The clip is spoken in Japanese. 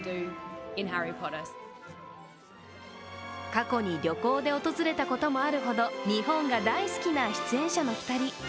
過去に旅行で訪れたこともあるほど日本が大好きな出演者の２人。